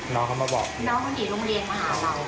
น้องเขาหนีโรงเรียนมาหาเรา